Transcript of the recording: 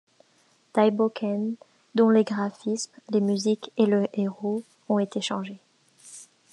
Daibōken, dont les graphismes, les musiques et le héros ont été changés.